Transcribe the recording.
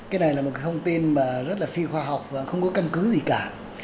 cái này là một thông tin rất là phi khoa học và không có căn cứ gì cả